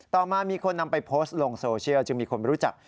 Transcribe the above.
ต่อมามีคนนำไปโพสต์ลงโซเชียลจึงมีคนรู้จัก